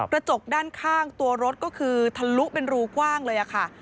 กระจกด้านข้างตัวรถก็คือทะลุเป็นรูกว้างเลยค่ะ